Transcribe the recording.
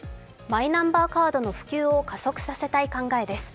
マイナンバーカードの普及を促進させたい考えです。